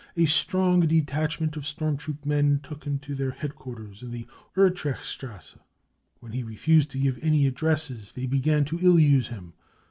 A strong de tachment of storm troop men took him to their head quarters in the Utrechterstrasse ; when he refused to give any addresses they began to ill use him.